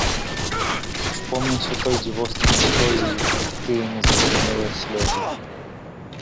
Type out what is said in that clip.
Успомніўся той дзівосны настрой яе, тыя незразумелыя слёзы.